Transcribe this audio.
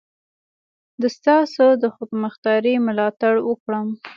د ستاسو د خودمختاري ملاتړ وکړم.